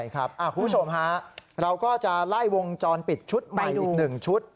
คุณผู้ชมฮะเราก็จะไล่วงจรปิดชุดใหม่อีก๑ชุด